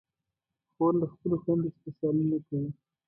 خور له خپلو خویندو سره سیالي نه کوي.